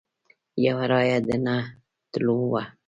یو رایه د نه تلو وه.